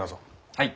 はい。